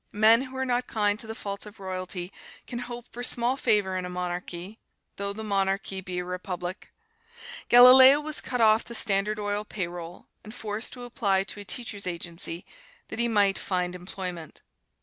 Men who are not kind to the faults of royalty can hope for small favor in a monarchy, though the monarchy be a republic. Galileo was cut off the Standard Oil payroll, and forced to apply to a teachers' agency, that he might find employment.